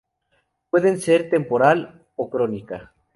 Pueden ser temporal o crónica.